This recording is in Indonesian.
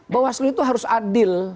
bawaslu itu harus adil